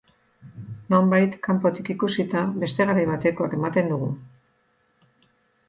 Nonbait, kanpotik ikusita, beste garai batekoak ematen dugu.